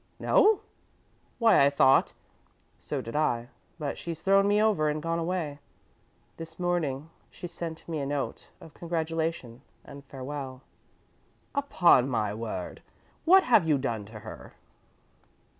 "No? Why I thought " "So did I, but she's thrown me over and gone away. This morning she sent me a note of congratulation and farewell." "Upon my word! What have you done to her?"